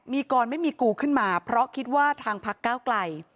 มีกรไม่มีกูขึ้นมาเพราะคิดว่าทางพักก้าวไกล